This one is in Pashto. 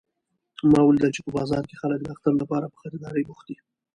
ما ولیدل چې په بازار کې خلک د اختر لپاره په خریدارۍ بوخت دي